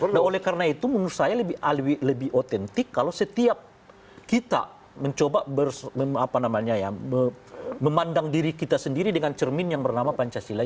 nah oleh karena itu menurut saya lebih otentik kalau setiap kita mencoba memandang diri kita sendiri dengan cermin yang bernama pancasila